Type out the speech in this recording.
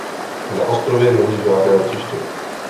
Na ostrově není žádné letiště.